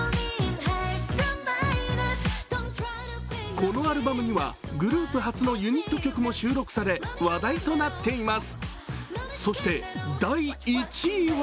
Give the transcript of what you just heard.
このアルバムにはグループ初のユニット曲も収録され話題となっています。